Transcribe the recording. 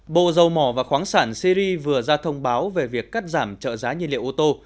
bộ dầu mỏ và khoáng sản syri vừa ra thông báo về việc cắt giảm trợ giá nhiên liệu ô tô